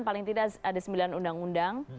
paling tidak ada sembilan undang undang